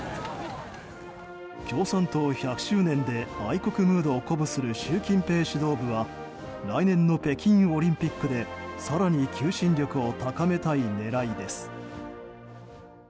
共産党１００周年で愛国ムードを鼓舞する習近平指導部は来年の北京オリンピックで更に求心力を高めたい狙いです。